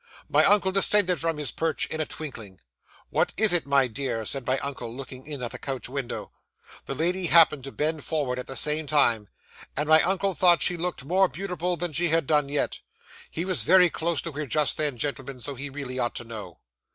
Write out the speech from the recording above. My uncle descended from his perch in a twinkling. '"What is it, my dear?" said my uncle, looking in at the coach window. The lady happened to bend forward at the same time, and my uncle thought she looked more beautiful than she had done yet. He was very close to her just then, gentlemen, so he really ought to know.